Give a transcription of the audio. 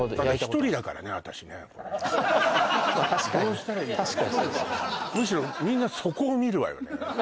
１人だむしろみんなそこを見るわよね